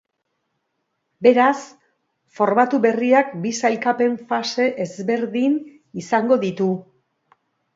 Beraz, formatu berriak bi sailkapen fase ezberdin izango ditu.